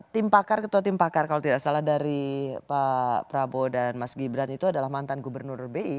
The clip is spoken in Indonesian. tim pakar ketua tim pakar kalau tidak salah dari pak prabowo dan mas gibran itu adalah mantan gubernur bi